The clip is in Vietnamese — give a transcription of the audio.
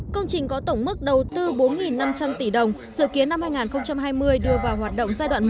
công trình có tổng mức đầu tư bốn năm trăm linh tỷ đồng dự kiến năm hai nghìn hai mươi đưa vào hoạt động giai đoạn một